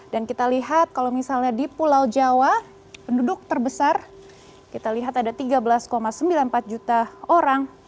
dan kita lihat kalau misalnya di pulau jawa penduduk terbesar kita lihat ada tiga belas sembilan puluh empat juta orang